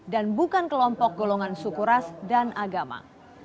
dan bukan kelompok golongan suku ras dan agama